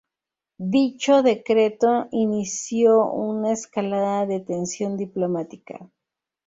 Dicho decreto inició una escalada de tensión diplomática.